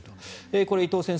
これ、伊藤先生